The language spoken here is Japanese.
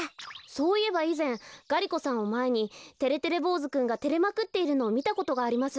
そういえばいぜんがり子さんをまえにてれてれぼうずくんがてれまくっているのをみたことがあります。